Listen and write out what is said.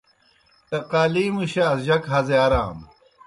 ٹقالی مُشاس جک ہزِیارانوْ۔